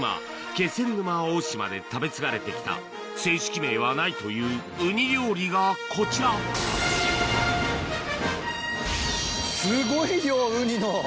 気仙沼大島で食べ継がれてきた正式名はないというウニ料理がこちらうわ！